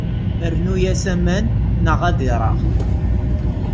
Rnu-as aman neɣ ad ireɣ.